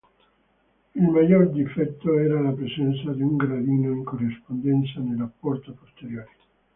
Il maggior difetto era la presenza di un gradino in corrispondenza della porta posteriore.